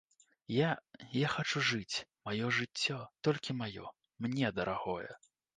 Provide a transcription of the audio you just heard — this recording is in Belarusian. Я, я хачу жыць, маё жыццё, толькі маё, мне дарагое.